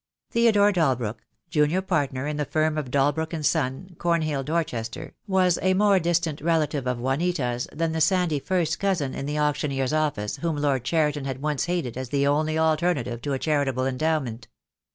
Theodore Dalbrook, junior partner in the firm of Dalbrook & Son, Cornhill, Dorchester, was a more distant relative of Juanita's than the sandy first cousin in the auctioneer's office whom Lord Cheriton had once hated as the only alternative to a charitable endowment.